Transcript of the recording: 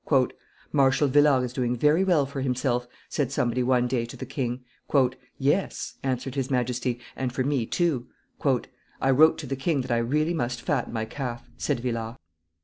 "Marshal Villars is doing very well for himself," said somebody, one day, to the king. "Yes," answered his Majesty, "and for me too." "I wrote to the king that I really must fat my calf," said Villars.